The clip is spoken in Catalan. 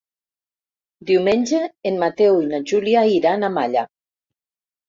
Diumenge en Mateu i na Júlia iran a Malla.